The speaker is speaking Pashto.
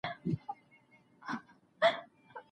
کوڼ سړی څه نه اوري .